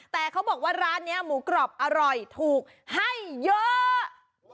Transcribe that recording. แต่เขาบอกว่าร้านนี้หมูกรอบอร่อยถูกให้เยอะ